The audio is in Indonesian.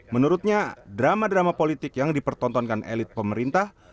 menurutnya drama drama politik yang dipertontonkan elit pemerintah